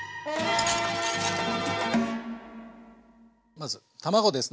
まず卵ですね。